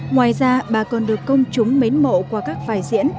ngoài ra bà còn được công chúng mến mộ qua các vai diễn